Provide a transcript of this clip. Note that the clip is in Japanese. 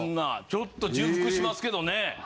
ちょっと重複しますけどね。